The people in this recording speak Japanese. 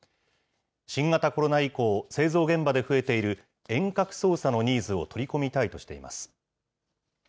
新型コロナ以降、製造現場で増えている、遠隔操作のニーズを取り込みたいとしています。